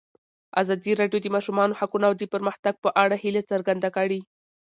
ازادي راډیو د د ماشومانو حقونه د پرمختګ په اړه هیله څرګنده کړې.